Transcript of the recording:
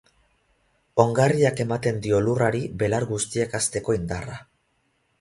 Ongarriak ematen dio lurrari belar guztiak hazteko indarra.